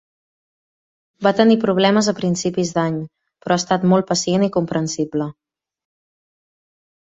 Va tenir problemes a principis d'any, però ha estat molt pacient i comprensible.